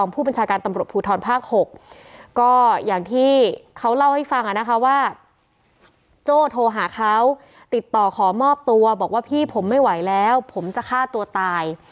เป็นมาพอว่าพี่ผมไม่ไหวแล้วผมจะฆ่าตัวตาย